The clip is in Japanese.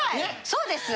そうです。